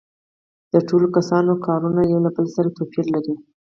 د ټولو کسانو کارونه یو له بل سره توپیر لري